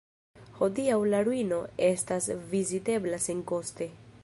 Hodiaŭ la ruino estas vizitebla senkoste.